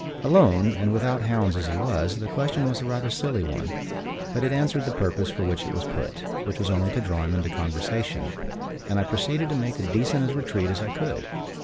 Alone, and without hounds as he was, the question was rather a silly one; but it answered the purpose for which it was put, which was only to draw him into conversation, and I proceeded to make as decent a retreat as I could.